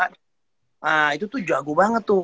nah itu tuh aku banget tuh